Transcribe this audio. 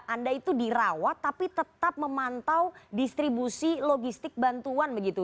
anda itu dirawat tapi tetap memantau distribusi logistik bantuan begitu